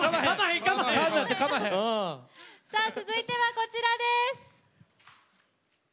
続いては、こちらです。